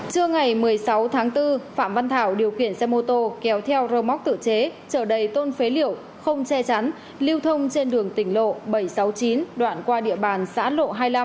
trưa ngày một mươi sáu tháng bốn phạm văn thảo điều khiển xe mô tô kéo theo rơ móc tự chế trở đầy tôn phế liệu không che chắn lưu thông trên đường tỉnh lộ bảy trăm sáu mươi chín đoạn qua địa bàn xã lộ hai mươi năm